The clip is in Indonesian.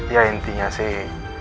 ya intinya sih